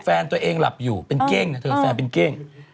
แฟนตัวเองหลับอยู่เป็นเก้งนะเธอแฟนเป็นเก้ง